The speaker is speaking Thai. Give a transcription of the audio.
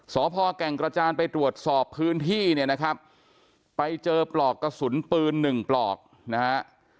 สพแก่งกระจานไปตรวจสอบพื้นที่เนี่ยนะครับไปเจอปลอกกระสุนปืนหนึ่งปลอกนะฮะ